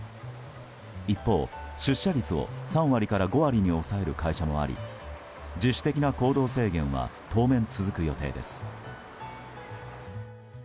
一方、出社率を３割から５割に抑える会社もあり自主的な行動制限は当面、続く予定です。